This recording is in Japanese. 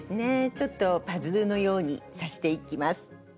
ちょっとパズルのように刺していきます。